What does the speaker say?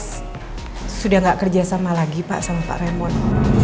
pak alex sudah gak kerja sama lagi pak sama pak raymond